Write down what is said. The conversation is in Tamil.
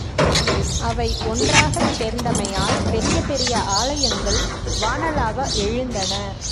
அவை ஒன்றாகச் சேர்ந்தமையால் பெரிய பெரிய ஆலயங்கள் வானளாவ எழுந்தன.